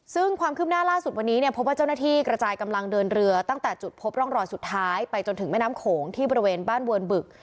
ซึ่งความคืบหน้าล่าสุดวันนี้เนี่ยพบว่าเจ้าหน้าที่กระจายกำลังเดินเรือตั้งแต่จุดพบร่องรอยสุดท้ายไปจนถึงแม่น้ำโขงที่บริเวณบ้านเวิร์นบึก